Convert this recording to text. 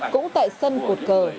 cũng tại sân cột cờ